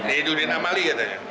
edudin amali katanya